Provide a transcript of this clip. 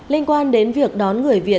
linh quan đến việc đón người ra ngoài